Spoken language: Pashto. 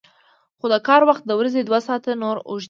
خو د کار وخت د ورځې دوه ساعته نور اوږد شي